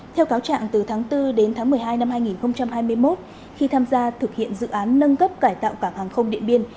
theo cáo trạng từ tháng bốn đến tháng một mươi hai năm hai nghìn hai mươi một khi tham gia thực hiện dự án nâng cấp cải tạo cảng hàng không điện biên